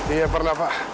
iya pernah pak